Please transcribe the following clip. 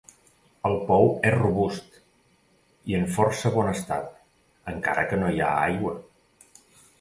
El pou és robust i en força bon estat, encara que no hi ha aigua.